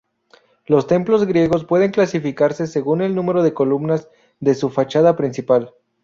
Los templos griegos pueden clasificarse según el número de columnas de su fachada principal.